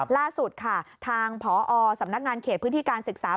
ล่าสุดค่ะทางพอสำนักงานเขตพื้นที่การศึกษา